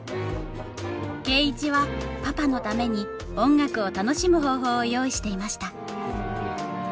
圭一はパパのために音楽を楽しむ方法を用意していました